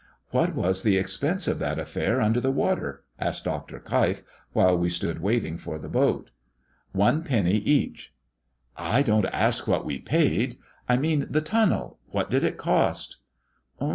"What was the expense of that affair under the water?" asked Dr. Keif, while we stood waiting for the boat. "One penny each." "I don't ask what we paid. I mean the tunnel, what did it cost?"